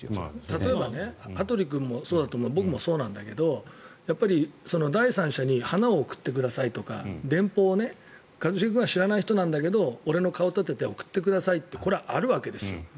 例えば羽鳥君もそうだと思う僕もそうなんだけど第三者に花を送ってくださいとか電報を一茂君は知らない人なんだけど俺の顔を立てて送ってくださいっていうのはこれはあるわけですよ。